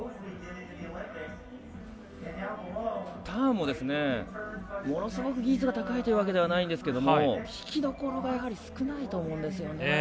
ターンも、ものすごく技術が高いというわけではないんですが引きどころが少ないと思うんですよね。